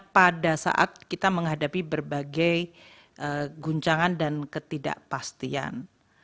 pada saat kita menghadapi berbagai guncangan dan ketidakpastian